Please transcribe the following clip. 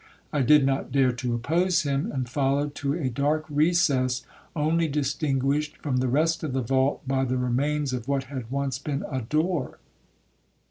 I did not dare to oppose him, and followed to a dark recess, only distinguished from the rest of the vault by the remains of what had once been a door.